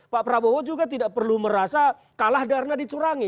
pak prabowo juga tidak perlu merasa kalah karena dicurangi